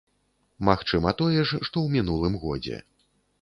Магчыма, тое ж, што ў мінулым годзе.